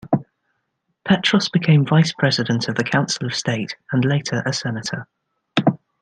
Petros became vice-president of the Council of State, and later a senator.